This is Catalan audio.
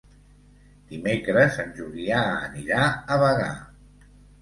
Dimecres en Julià anirà a Bagà.